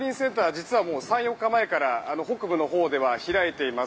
実は３４日前から北部のほうでは開いています。